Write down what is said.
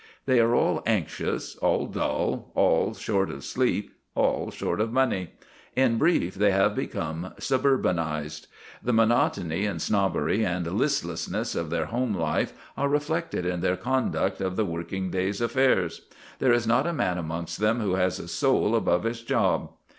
They are all anxious, all dull, all short of sleep, all short of money. In brief, they have become suburbanized. The monotony and snobbery and listlessness of their home life are reflected in their conduct of the working day's affairs. There is not a man amongst them who has a soul above his job.